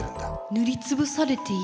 塗り潰されている。